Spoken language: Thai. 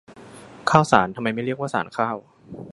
ข้าวสาร ทำไมไม่เรียกว่าสารข้าว